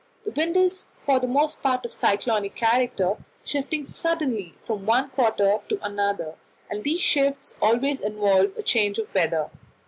The wind is for the most part of cyclonic character, shifting suddenly from one quarter to another, and these shifts always involve a change of weather.